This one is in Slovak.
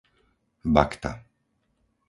Bakta